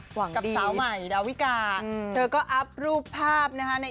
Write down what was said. กับสาวใหม่ดาวิกาเธอก็อัพรูปภาพนะคะ